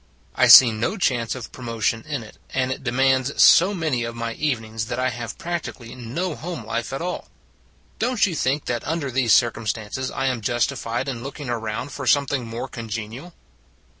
I see no chance of promotion in it, and it demands so many of my evenings that I have practically no home life at all. Don t you think that under these circumstances I am justified in looking around for something more con genial?